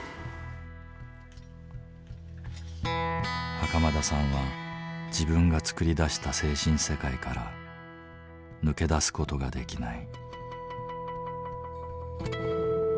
袴田さんは自分がつくり出した精神世界から抜け出す事ができない。